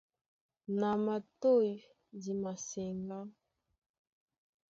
Na matôy di maseŋgá.